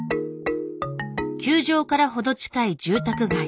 球場から程近い住宅街。